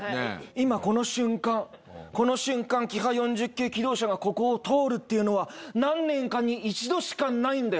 今この瞬間この瞬間キハ４０系気動車がここを通るっていうのは何年かに一度しかないんだよ。